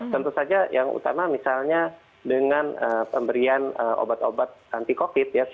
tentu saja yang utama misalnya dengan pemberian obat obat anti covid ya